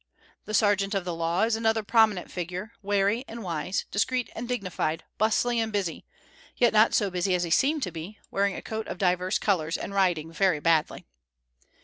The sergeant of the law is another prominent figure, wary and wise, discreet and dignified, bustling and busy, yet not so busy as he seemed to be, wearing a coat of divers colors, and riding very badly.